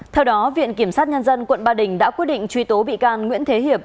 theo đó viện kiểm sát nhân dân quận ba đình đã quyết định truy tố bị can nguyễn thế hiệp